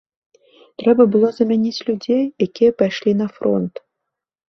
Трэба было замяніць людзей, якія пайшлі на фронт.